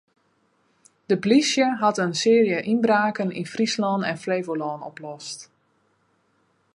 De polysje hat in searje ynbraken yn Fryslân en Flevolân oplost.